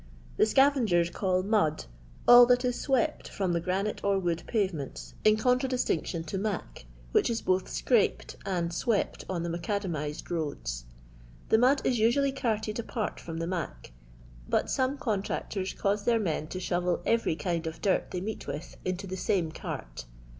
*' The scavengers call mud all that is siwpC from the granite or wood pavements, in contradistinction LONDON LABOUR AND THE LONDON POOR. 197 to " mac," which is both scraped and awept on the macadamiied roads. The nrnd is usually carted uart firom the " mac/' but some contractors cause their men to shovel every kind of dirt they meet with into the same cart.